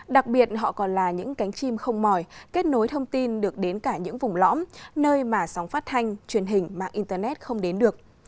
đặc biệt họ còn là những cánh chim không mỏi kết nối thông tin được đến cả những vùng lõm nơi mà sóng phát thanh truyền hình mạng internet không đến được